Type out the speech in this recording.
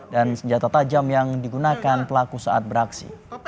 dan senjata tajam yang digunakan pelaku saat beraksi